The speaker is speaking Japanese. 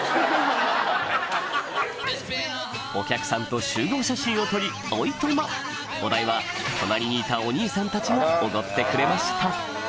お客さんと集合写真を撮りおいとまお代は隣にいたお兄さんたちがおごってくれました